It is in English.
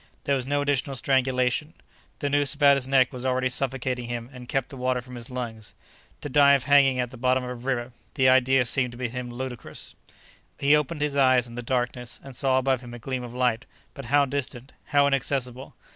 There was no additional strangulation; the noose about his neck was already suffocating him and kept the water from his lungs. To die of hanging at the bottom of a river!—the idea seemed to him ludicrous. He opened his eyes in the darkness and saw above him a gleam of light, but how distant, how inaccessible!